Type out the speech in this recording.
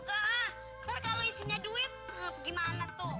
bur kalau isinya duit gimana tuh